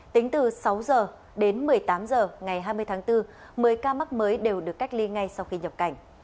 tính từ sáu h đến một mươi tám h ngày hai mươi tháng bốn một mươi ca mắc mới đều được cách ly ngay sau khi nhập cảnh